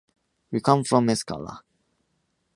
We come from Escala.